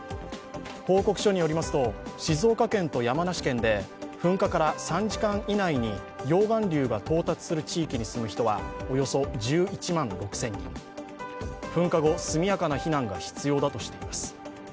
報告書によりますと、静岡県と山梨県で噴火から３時間以内に溶岩流が到達する地域に住む人はおよそ１１万６０００人、噴火後、速やかな避難が必要だとしています。